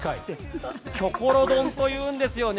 キョコロ丼というんですよね。